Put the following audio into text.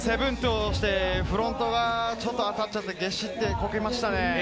フロントがちょっと当たっちゃって、ゲシってこけましたね。